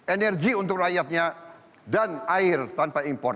energi untuk rakyatnya dan air tanpa impor